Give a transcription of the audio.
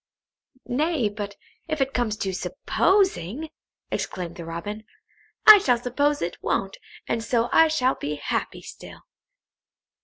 "Nay, but if it comes to supposing," exclaimed the Robin, "I shall suppose it won't, and so I shall be happy still."